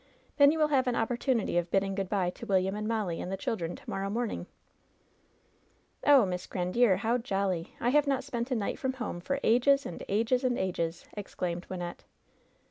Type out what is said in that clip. Then you will have an opportunity of bid ding good by to William and Molly and the children to morrow morning." "Oh, Miss Grandiere, how jolly ! I have not spent a night from home for ages and ages and ages !" exclaimed Wymxette.